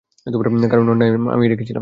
কারণ ওর নাম আমিই রেখেছিলাম।